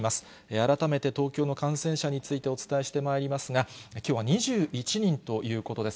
改めて東京の感染者についてお伝えしてまいりますが、きょうは２１人ということです。